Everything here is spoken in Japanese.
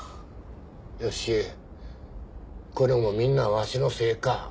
良恵これもみんなわしのせいか？